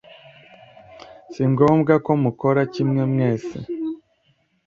singombwa ko mukora kimwe mwese